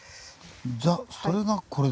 じゃそれがこれだ。